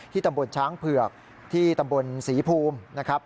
ตำบลช้างเผือกที่ตำบลศรีภูมินะครับ